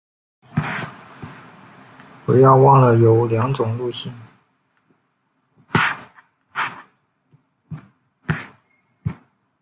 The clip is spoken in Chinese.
不要忘了有两种路线